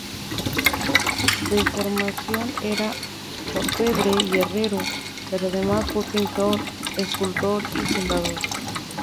De formación era orfebre y herrero, pero además fue pintor, escultor y fundidor.